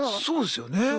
そうですよね。